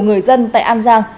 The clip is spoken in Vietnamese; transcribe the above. người dân tại an giang